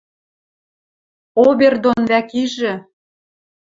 Обер дон вӓк ижӹ